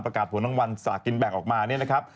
ประกาศผลรางวัลสลากินแบ่งออกมาเนี่ยนะครับ